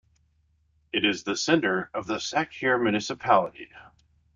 It is the center of the Sachkhere Municipality.